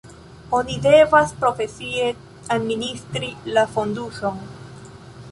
Oni devas profesie administri la fonduson.